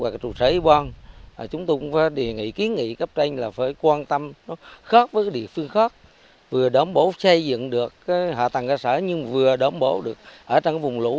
chúng tôi cũng đề nghị kiến nghị các tranh là phải quan tâm khóc với địa phương khóc vừa đảm bảo xây dựng được hạ tầng cơ sở nhưng vừa đảm bảo được ở trong vùng lũ